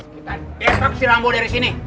kita detok si rambo dari sini